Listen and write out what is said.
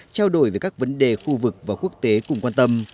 trao đổi về các vấn đề khu vực và quốc tế cùng quan tâm